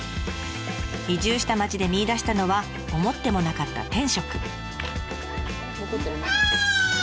移住した町で見いだしたのは思ってもなかった天職。